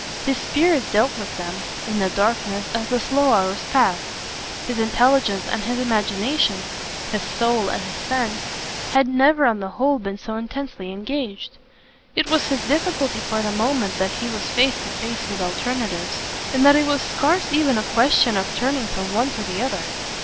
His spirit dealt with them, in the darkness, as the slow hours passed; his intelligence and his imagination, his soul and his sense, had never on the whole been so intensely engaged. It was his difficulty for the moment that he was face to face with alternatives, and that it was scarce even a question of turning from one to the other.